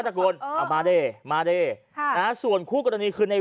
ตะโกนเอามาด้วยมาด้วยฮะนะส่วนคู่กับตัวนี้คือใน